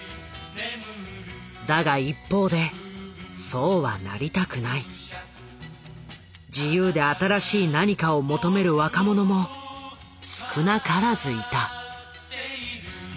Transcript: だが一方でそうはなりたくない自由で新しい何かを求める若者も少なからずいた。